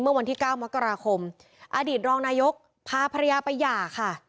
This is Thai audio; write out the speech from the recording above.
เมื่อวันที่๙มกราคมอดีตรองนายกพาภรรยาไปหย่าค่ะ